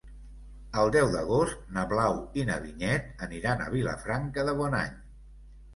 El deu d'agost na Blau i na Vinyet aniran a Vilafranca de Bonany.